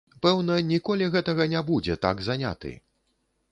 Пэўна, ніколі гэтага не будзе, так заняты.